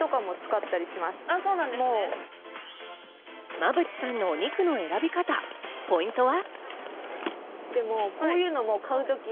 馬淵さんのお肉の選び方、ポイントは。